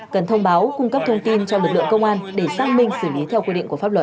cần thông báo cung cấp thông tin cho lực lượng công an để xác minh xử lý theo quy định của pháp luật